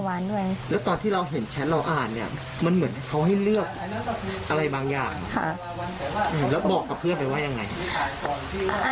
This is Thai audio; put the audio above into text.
แล้วบอกกับเพื่อนไปว่ายังไง